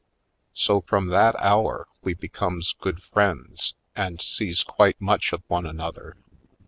So from that hour we becomes good friends and sees quite much of one another.